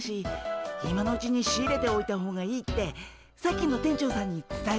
今のうちに仕入れておいた方がいいってさっきの店長さんにつたえておこうかなあ。